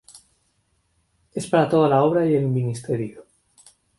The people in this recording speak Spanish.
Es para toda la obra y el ministerio".